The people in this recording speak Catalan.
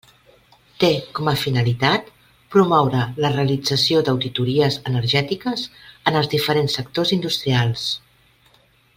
Té com a finalitat promoure la realització d'auditories energètiques en els diferents sectors industrials.